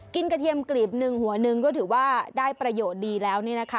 กระเทียมกลีบหนึ่งหัวหนึ่งก็ถือว่าได้ประโยชน์ดีแล้วนี่นะคะ